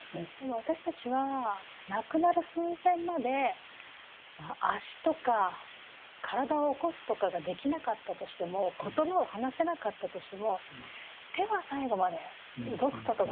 私たちは亡くなる寸前まで足とか体を起こすとかができなかったとしても言葉を話せなかったとしても手は最後まで動くことがありますよね。